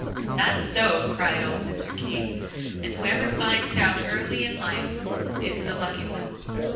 "That's so," cried old Mr. King, "and whoever finds it out early in life, is the lucky one.